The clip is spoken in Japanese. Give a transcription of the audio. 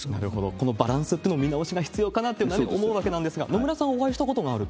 このバランスってのも見直しが必要かなと思うわけなんですが、野村さん、お会いしたことがあると？